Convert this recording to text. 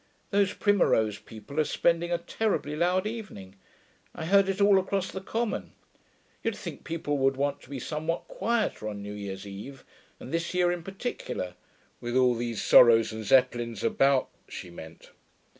Those Primmerose people are spending a terribly loud evening; I heard it all across the common. You'd think people would want to be somewhat quieter on new year's eve, and this year in particular' (with all these sorrows and Zeppelins about, she meant).